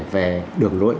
về đường lội